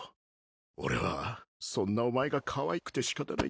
俺はそんなお前がかわいくてしかたないんだ。